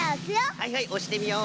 はいはいおしてみよう。